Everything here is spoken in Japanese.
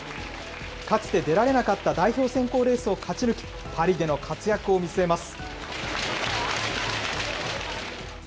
かつて出られなかった代表選考レースを勝ち抜き、パリでの活躍を見据えます。